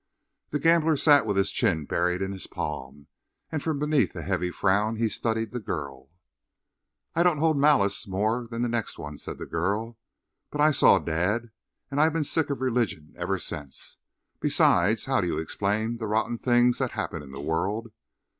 The gambler sat with his chin buried in his palm, and from beneath a heavy frown he studied the girl. "I don't hold malice more than the next one," said the girl, "but I saw Dad; and I've been sick of religion ever since. Besides, how do you explain the rotten things that happen in the world?